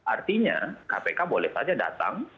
artinya kpk boleh saja datang